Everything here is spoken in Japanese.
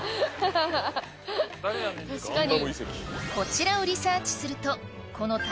確かに。